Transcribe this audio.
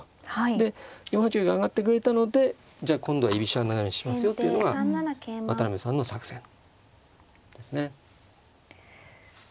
で４八玉に上がってくれたのでじゃあ今度は居飛車の流れにしますよというのが渡辺さんの作戦ですね。